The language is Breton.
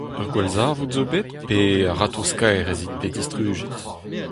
Ur gwallzarvoud zo bet pe a-ratozh-kaer ez int bet distrujet ?